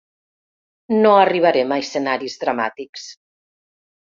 No arribarem a escenaris dramàtics.